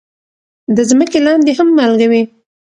د ځمکې لاندې هم مالګه وي.